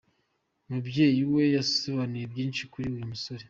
Umubyeyi we yasobanuye byinshi kuri uyu musore.